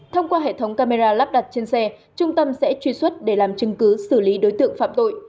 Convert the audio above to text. thông qua hệ thống camera lắp đặt trên xe trung tâm sẽ truy xuất để làm chứng cứ xử lý đối tượng phạm tội